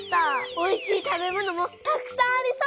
おいしい食べ物もたくさんありそう。